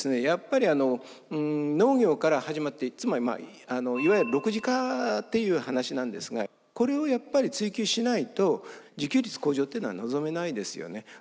やっぱり農業から始まってつまりいわゆる６次化っていう話なんですがこれをやっぱり追求しないと自給率向上っていうのは望めないですよね。